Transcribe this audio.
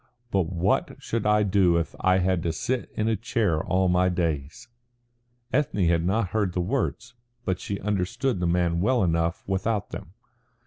But what should I do if I had to sit in a chair all my days?" Ethne had not heard the words, but she understood the man well enough without them.